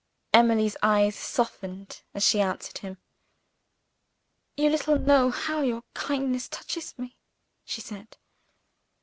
Emily's eyes softened as she answered him. "You little know how your kindness touches me," she said.